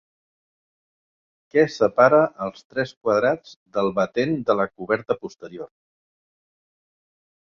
Què separa els tres quadrats del batent de la coberta posterior?